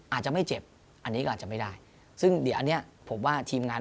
อาจจะไม่เจ็บอันนี้ก็อาจจะไม่ได้ซึ่งเดี๋ยวอันนี้ผมว่าทีมงาน